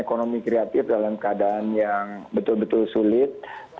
ekonomi kreatif dalam keadaan yang betul betul sulit